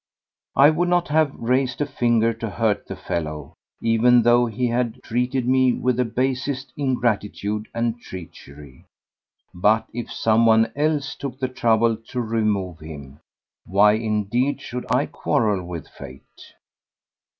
I would not have raised a finger to hurt the fellow, even though he had treated me with the basest ingratitude and treachery; but if someone else took the trouble to remove him, why indeed should I quarrel with fate?